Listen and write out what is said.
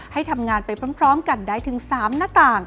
ให้ทำงานไปพร้อมกันได้ถึง๓หน้าต่าง